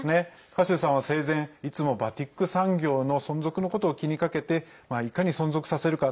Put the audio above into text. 賀集さんは生前いつもバティック産業の存続のことを気にかけていかに存続させるか。